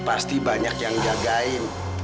pasti banyak yang gagain